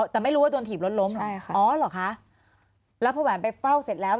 แต่ไม่รู้ว่าโดนถีบรถล้มใช่ค่ะอ๋อเหรอคะแล้วพอแหวนไปเฝ้าเสร็จแล้ว